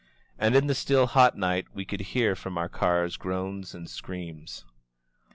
And in the still hot night we could hear from bur car groans and screams. .